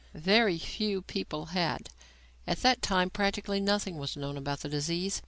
Very few people had. At that time practically nothing was known about the disease.